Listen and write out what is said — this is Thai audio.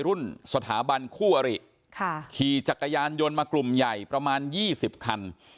รุ่นสถาบันคู่อริขี่จักรยานยนต์มากลุ่มใหญ่ประมาณ๒๐คัน